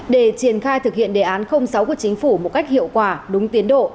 để triển khai thực hiện đề án sáu của chính phủ một cách hiệu quả đúng tiến độ